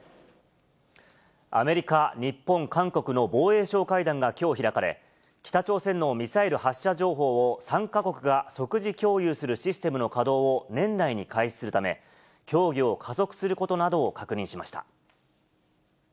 アメリカ、日本、韓国の防衛相会談がきょう開かれ、北朝鮮のミサイル発射情報を３か国が即時共有するシステムの稼働を年内に開始するため、協議を加速することなどを確認しました。